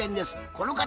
この方。